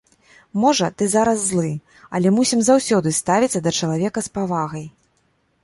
Можа, ты зараз злы, але мусім заўсёды ставіцца да чалавека з павагай!